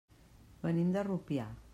Venim de Rupià.